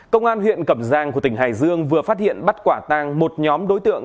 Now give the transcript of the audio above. công an huyện cẩm giang của tỉnh hải dương vừa phát hiện bắt quả tang một nhóm đối tượng